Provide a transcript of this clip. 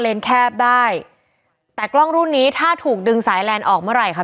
แคบได้แต่กล้องรุ่นนี้ถ้าถูกดึงสายแลนด์ออกเมื่อไหร่ค่ะ